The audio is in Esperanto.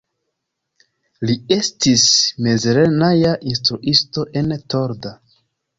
Li estis mezlerneja instruisto en Torda.